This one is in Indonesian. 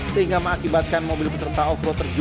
sehingga mengakibatkan mobil peserta off road tersebut